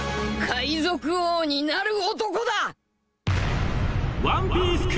「海賊王になる男だ」